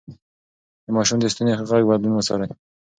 د ماشوم د ستوني غږ بدلون وڅارئ.